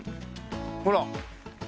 ほら。